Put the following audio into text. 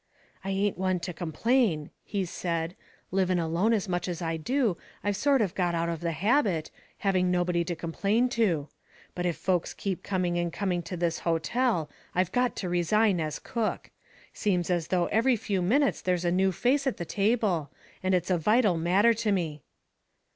"I ain't one to complain," he said; "livin' alone as much as I do I've sort of got out of the habit, having nobody to complain to. But if folks keep coming and coming to this hotel, I've got to resign as cook. Seems as though every few minutes there's a new face at the table, and it's a vital matter to me."